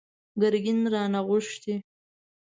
ګرګين رانه غوښتي!